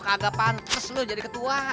kagak pantes lu jadi ketua